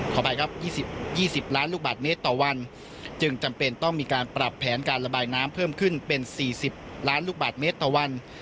ขออภัยครับ๒๐ล้านลูกบาทเมตรต่อวันจึงจำเป็นต้องมีการปรับแผนการระบายน้ำเพิ่มขึ้นเป็น๔๐ล้านลูกบาทเมตรต่อวัน